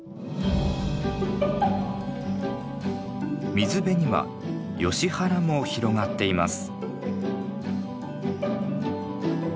水辺にはヨシ原も広がっています。